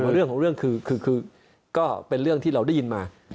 เรื่องของเรื่องคือก็เป็นเรื่องที่เราได้ยินมา